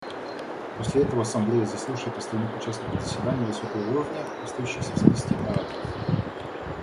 После этого Ассамблея заслушает остальных участников заседания высокого уровня, остающихся в списке ораторов.